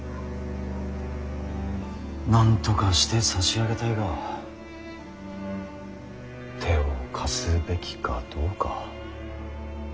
なんとかしてさしあげたいが手を貸すべきかどうか。